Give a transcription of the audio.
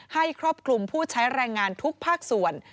ครอบคลุมผู้ใช้แรงงานทุกภาคส่วน